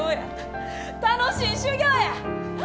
楽しい修業や！